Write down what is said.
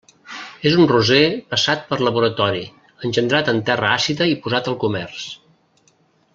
És un roser passat per laboratori, engendrat en terra àcida i posat al comerç.